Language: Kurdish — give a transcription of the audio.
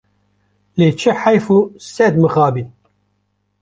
Lê çi heyf û sed mixabin!